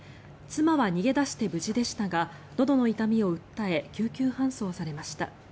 妻は逃げ出して無事でしたがのどの痛みを訴え救急搬送されました。